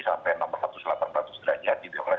sampai nomor seratus delapan ratus derajat di bioklas